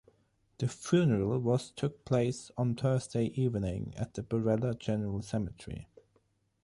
The funeral was took place on Thursday evening at the Borella General Cemetery.